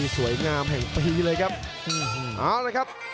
สวยงามแห่งปีเลยครับ